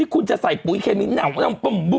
คุณจะใส่ปุ๋ยเคลมิน้อง